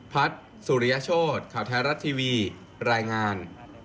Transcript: พัฒน์สุริยโชธข่าวไทยรัฐทีวีรายงาน